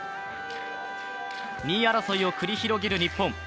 ２位争いを繰り広げる日本。